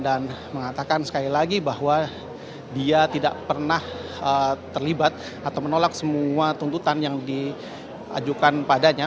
dan mengatakan sekali lagi bahwa dia tidak pernah terlibat atau menolak semua tuntutan yang diajukan padanya